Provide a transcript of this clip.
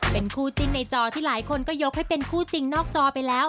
เป็นคู่จิ้นในจอที่หลายคนก็ยกให้เป็นคู่จริงนอกจอไปแล้ว